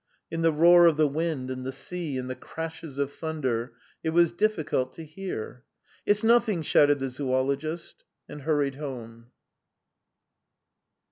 In the roar of the wind and the sea and the crashes of thunder, it was difficult to hear. "It's nothing," shouted the zoologist, and hurried home.